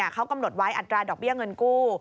เขากำหนดไว้อัตราดอกเบี้ยเงินกู้